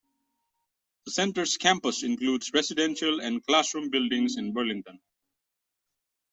The center's campus includes residential and classroom buildings in Burlington.